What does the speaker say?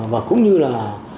và cũng như là